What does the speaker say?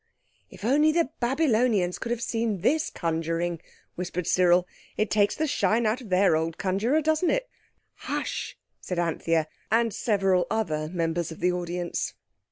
"If only the Babylonians could have seen this conjuring," whispered Cyril. "It takes the shine out of their old conjurer, doesn't it?" "Hush!" said Anthea and several other members of the audience.